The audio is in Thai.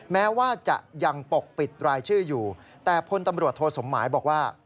แม้ว่าจะยังปกปิดรายชื่ออยู่แต่พลตำรวจโทสมหมายบอกว่า